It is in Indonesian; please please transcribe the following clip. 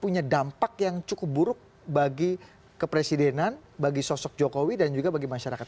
punya dampak yang cukup buruk bagi kepresidenan bagi sosok jokowi dan juga bagi masyarakat